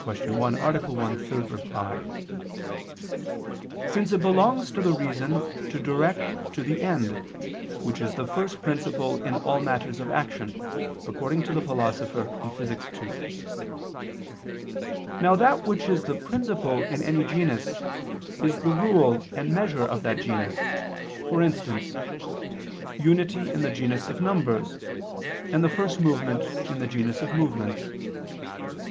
1, A. 1, ad 3); since it belongs to the reason to direct to the end, which is the first principle in all matters of action, according to the Philosopher (Phys. ii). Now that which is the principle in any genus, is the rule and measure of that genus: for instance, unity in the genus of numbers, and the first movement in the genus of movements.